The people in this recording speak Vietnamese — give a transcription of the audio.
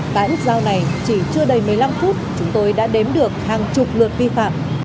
tại nút giao này chỉ chưa đầy một mươi năm phút chúng tôi đã đếm được hàng chục lượt vi phạm